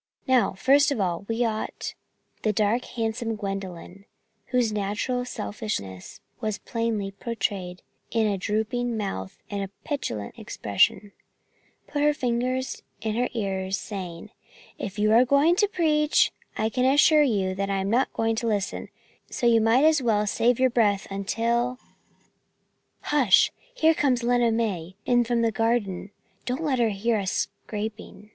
Now first of all, we ought " The dark, handsome Gwendolyn, whose natural selfishness was plainly portrayed in a drooping mouth and petulant expression, put her fingers in her ears, saying: "If you are going to preach, I can assure you that I am not going to listen; so you might as well save your breath until " "Hush. Here comes Lena May in from the garden. Don't let her hear us scrapping.